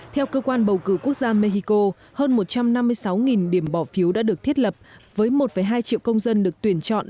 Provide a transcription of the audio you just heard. theo cơ quan bầu cử quốc gia mexico hơn một trăm năm mươi sáu điểm bỏ phiếu đã được thiết lập với một hai triệu công dân được tuyển chọn